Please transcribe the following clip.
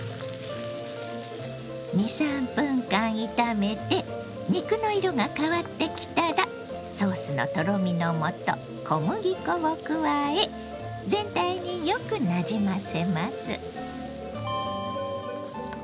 ２３分間炒めて肉の色が変わってきたらソースのとろみのもと小麦粉を加え全体によくなじませます。